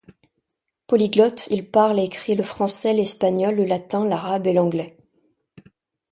Polyglotte il parle et écrit le français, l’espagnol, le latin, l’arabe et l’anglais.